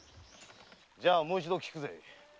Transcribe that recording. じゃあもう一度聞くぜ。